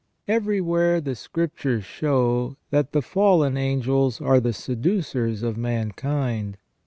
Everywhere the Scriptures show that the fallen angels are the seducers of mankind.